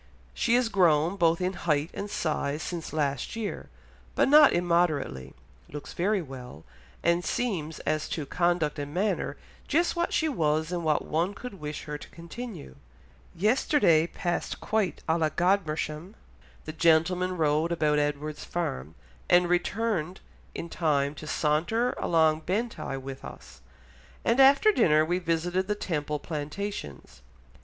she is grown both in height and size since last year, but not immoderately, looks very well, and seems as to conduct and manner just what she was and what one could wish her to continue." "Yesterday passed quite à la Godmersham; the gentlemen rode about Edward's farm, and returned in time to saunter along Bentigh with us; and after dinner we visited the Temple Plantations....